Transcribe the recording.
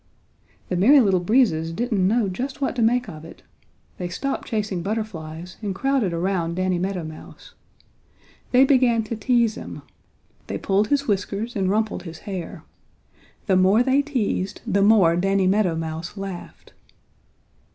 The Merry Little Breezes didn't know just what to make of it. They stopped chasing butterflies and crowded around Danny Meadow Mouse. They began to tease him. They pulled his whiskers and rumpled his hair. The more they teased the more Danny Meadow Mouse laughed.